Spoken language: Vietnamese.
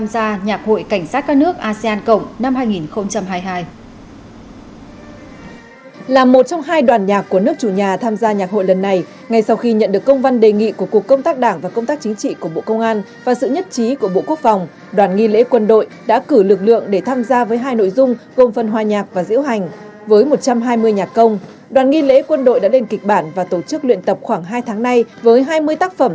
đoàn nghi lễ quân đội tham gia nhạc hội cảnh sát các nước asean cộng năm hai nghìn hai mươi hai